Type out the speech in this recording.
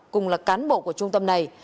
cùng là cán bộ của trung tâm này